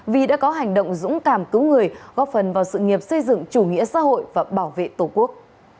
vì đã có hành động dũng cảm cứu người góp phần vào sự nghiệp xây dựng chủ nghĩa xã hội và bảo vệ tổ quốc